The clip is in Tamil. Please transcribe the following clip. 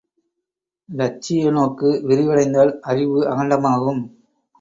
இலட்சிய நோக்கு விரிவடைந்தால் அறிவு அகண்டமாகும்!